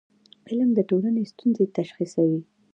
علم د ټولنې ستونزې تشخیصوي.